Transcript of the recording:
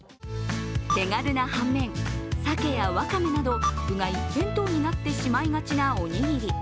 手軽な反面、鮭やわかめなど具が一辺倒になってしまいがちなおにぎり。